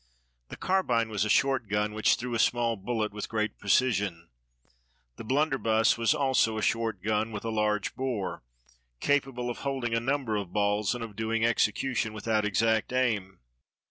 The carbine was a short gun, which threw a small bullet with great precision. The blunderbuss was also a short gun, with a large bore, capable of holding a number of balls, and of doing execution without exact aim.